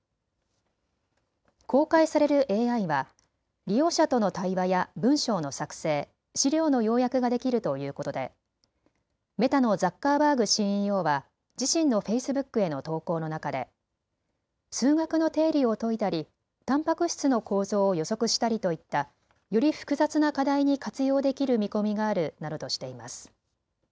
公開されるＡＩは利用者との対話や文章の作成、資料の要約ができるということでメタのザッカーバーグＣＥＯは自身のフェイスブックへの投稿の中で数学の定理を解いたりたんぱく質の構造を予測したりといったより複雑な課題に活用できる見込みがあるなどとしています。